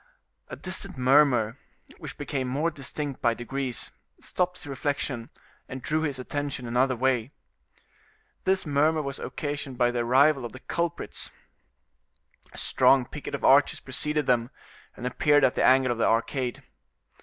A distant murmur, which became more distinct by degrees, stopped this reflection, and drew his attention another way. This murmur was occasioned by the arrival of the culprits; a strong picket of archers preceded them, and appeared at the angle of the arcade.